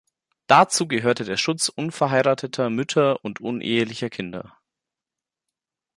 Dazu gehörte der Schutz unverheirateter Mütter und unehelicher Kinder.